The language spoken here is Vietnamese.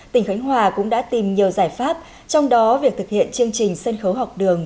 tỉnh khánh hòa cũng đã tìm nhiều giải pháp trong đó việc thực hiện chương trình sân khấu học đường